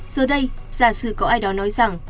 giờ đây giả sư có ai đó nói rằng